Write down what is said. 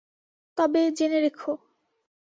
তবে জেনে রেখ।